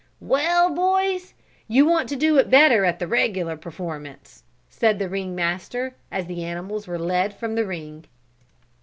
"Well, boys, you want to do it better at the regular performance," said the ring master, as the animals were led from the ring.